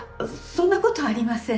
そんなことありません。